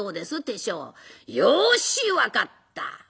「よし分かった」。